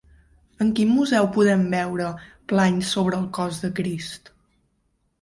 En quin museu podem veure Plany sobre el cos de Crist?